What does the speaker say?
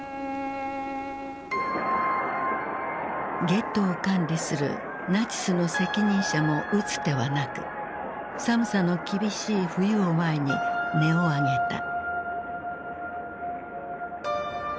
ゲットーを管理するナチスの責任者も打つ手はなく寒さの厳しい冬を前に音を上げた。